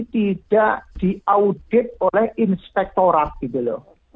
tidak diaudit oleh inspektorat gitu loh